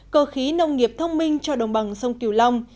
cơ khí nông nghiệp thông minh cho đồng bằng sông kiều long